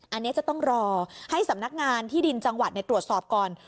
อันนี้จะต้องรอให้สำนักงานที่ดินจังหวัดตรวจสอบก่อน